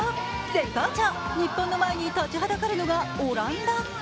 絶好調・日本の前に立ちはだかるのがオランダ。